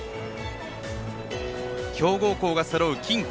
強豪校がそろう近畿。